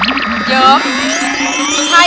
เยอะ